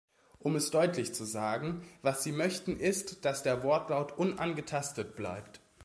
Um es deutlich zu sagen, was Sie möchten ist, dass der Wortlaut unangetastet bleibt.